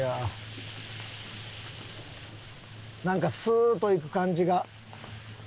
なんかスーッと行く感じが。